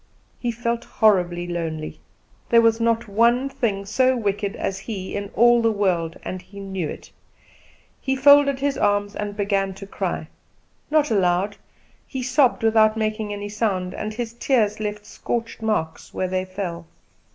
He felt horribly lonely. There was not one thing so wicked as he in all the world, and he knew it. He folded his arms and began to cry not aloud; he sobbed without making any sound, and his tears left scorched marks where they fell.